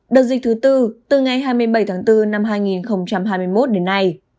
đợt dịch thứ tư từ ngày hai mươi bảy tháng bốn năm hai nghìn hai mươi một đến nay